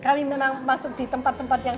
kami memang masuk di tempat tempat yang